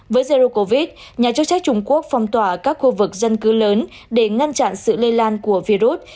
với jeru covid nhà chức trách trung quốc phong tỏa các khu vực dân cư lớn để ngăn chặn sự lây lan của virus